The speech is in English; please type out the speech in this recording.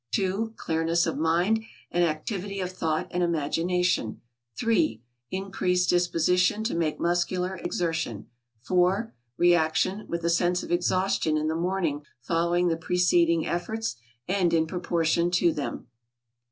"2 Clearness of mind, and activity of thought and imagination. "3 Increased disposition to make muscular exertion. "4 Reaction, with a sense of exhaustion in the morning following the preceding efforts, and in proportion to them."